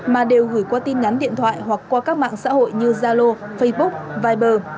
mà đều gửi qua tin nhắn điện thoại hoặc qua các mạng xã hội như zalo facebook viber